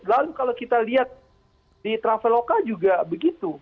lalu kalau kita lihat di traveloka juga begitu